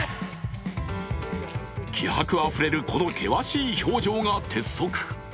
気迫あふれるこの険しい表情が鉄則。